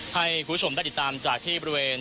ให้คุณผู้ชมได้ติดตามจากที่บริเวณ